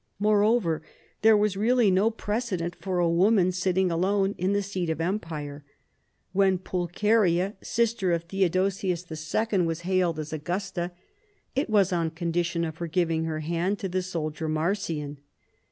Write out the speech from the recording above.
More over, there was really no precedent for a woman sit ting alone in the seat of empire. When Pulcheria, sister of Theodosius II., was hailed as Augusta, it was on condition of her giving her hand to the sol dier Marcian.